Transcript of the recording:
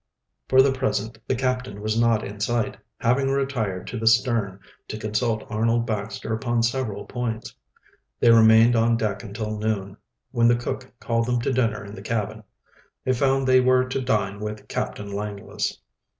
For the present the captain was not in sight, having retired to the stern to consult Arnold Baxter upon several points. They remained on deck until noon, when the cook called them to dinner in the cabin. They found they were to dine with Captain Langless.